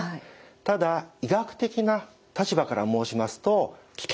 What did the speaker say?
ただ医学的な立場から申しますと危険と感じます。